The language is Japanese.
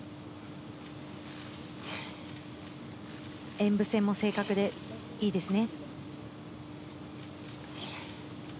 演武性も正確でいいですね。